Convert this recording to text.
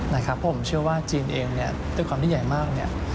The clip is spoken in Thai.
เพราะผมเชื่อว่าจีนเองด้วยความที่ใหญ่มาก